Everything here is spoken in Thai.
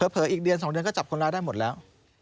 อีกเดือน๒เดือนก็จับคนร้ายได้หมดแล้ว